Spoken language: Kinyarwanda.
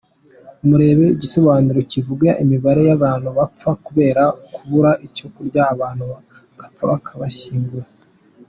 Nureba igisobanuro kivuga imibare y’abantu bapfa kubera kubura icyo kurya, abantu bagapfa bakabashyingura.